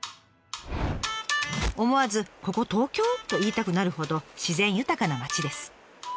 思わず「ここ東京？」と言いたくなるほど自然豊かな町です。